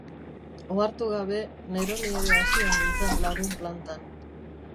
Ohartu gabe, neroni ere hasia nintzen lagun plantan.